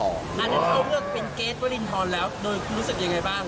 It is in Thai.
อันนั้นเขาเลือกเป็นเกรทวรินทรแล้วโดยคุณรู้สึกยังไงบ้าง